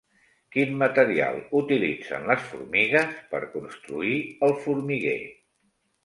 Quin material utilitzen les formigues per construir el formiguer?